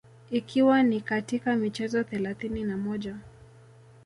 ikiwa ni katika michezo thelathini na moja